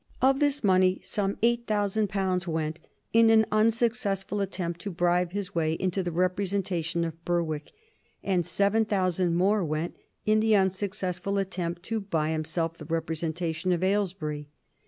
Of this money some eight thousand pounds went in an unsuccessful attempt to bribe his way into the representation of Berwick, and seven thousand more went in the successful attempt to buy himself the representation of Aylesbury.